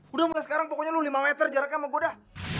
udah mulai sekarang pokoknya lu lima meter jaraknya sama gua dah